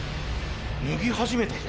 脱ぎ始めたぞ。